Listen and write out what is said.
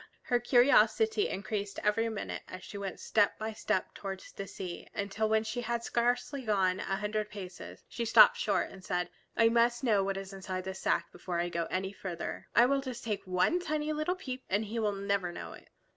Her curiosity increased every minute as she went step by step towards the sea, until when she had gone scarcely a hundred paces she stopped short and said, "I must know what is inside this sack before I go any farther. I will take just one tiny little peep, and He will never know it."